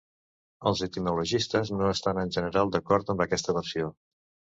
Els etimologistes no estan en general d'acord amb aquesta versió.